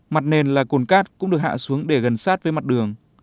mặt nền là cồn cát cũng được hạ xuống để gần sát với mặt đường